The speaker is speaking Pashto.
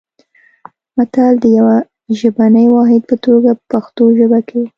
متل د یوه ژبني واحد په توګه په پښتو ژبه کې و